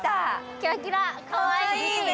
キラキラ、かわいいね。